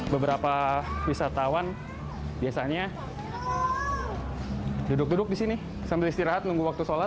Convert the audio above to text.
beberapa wisatawan biasanya duduk duduk di sini sambil istirahat nunggu waktu sholat